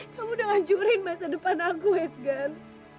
kamu udah hancurin masa depan aku edgar